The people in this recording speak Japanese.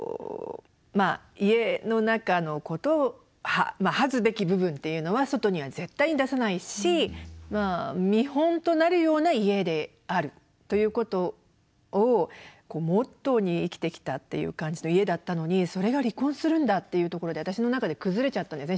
家の中のことまあ恥ずべき部分っていうのは外には絶対出さないし見本となるような家であるということをモットーに生きてきたっていう感じの家だったのにそれが離婚するんだっていうところで私の中で崩れちゃったんですね